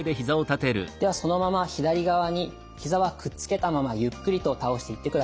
ではそのまま左側にひざはくっつけたままゆっくりと倒していってください。